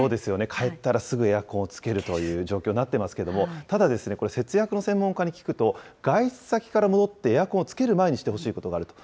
帰ったらすぐエアコンをつけるという状況になっていますけれども、ただ、節約の専門家に聞くと、外出先から戻ってエアコンをつける前にしてほしいことがあると。